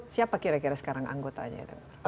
siapa kira kira sekarang anggotanya